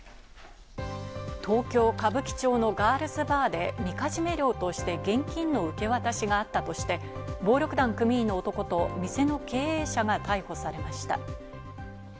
東京・歌舞伎町のガールズバーでみかじめ料として現金の受け渡しがあったとして、暴力団組員の男と店の経営者が逮捕されました。